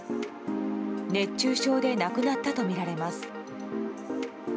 熱中症で亡くなったとみられます。